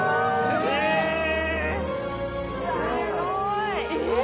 すごい。え！